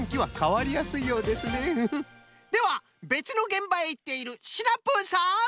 ではべつのげんばへいっているシナプーさん！